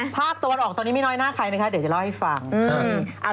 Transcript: ภาคตะวันออกตอนนี้ไม่น้อยหน้าใครนะคะเดี๋ยวจะเล่าให้ฟัง